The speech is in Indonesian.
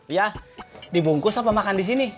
ya dibungkus apa makan di sini